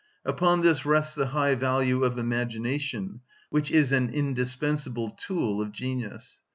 Upon this rests the high value of imagination, which is an indispensable tool of genius.